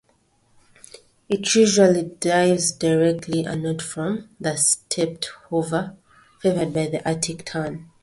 It usually dives directly, and not from the "stepped-hover" favoured by the Arctic tern.